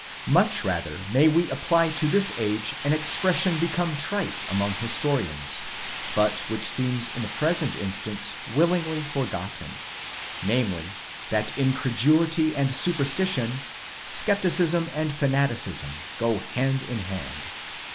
Much rather may we apply to this age an expression become trite among historians, but which seems in the present instance willingly forgotten : namely, that incredulity and superstition, scepticism and fanaticism go hand in hand.